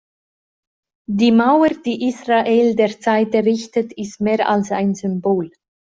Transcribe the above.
Die Mauer, die Israel derzeit errichtet, ist mehr als ein Symbol.